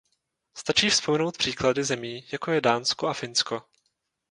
Stačí vzpomenout příklady zemí jako je Dánsko a Finsko.